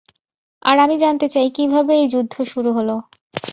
আর আমি জানতে চাই কীভাবে এই যুদ্ধ শুরু হলো।